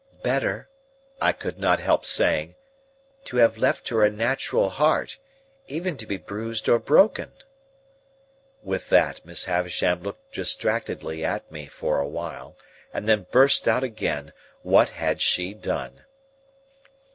"Better," I could not help saying, "to have left her a natural heart, even to be bruised or broken." With that, Miss Havisham looked distractedly at me for a while, and then burst out again, What had she done!